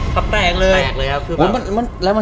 นัดนั้นก็สะใจเลย